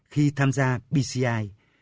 khi tham gia bci